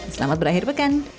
selamat berakhir pekan